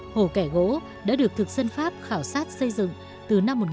hồ kẻ gỗ đã được thực dân pháp khảo sát xây dựng từ năm một nghìn chín trăm bảy mươi